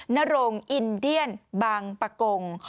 นโรงอินเดียนบางปะกง